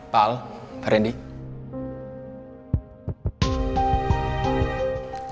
pak al pak randy